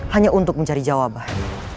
hanya untuk mencari jawaban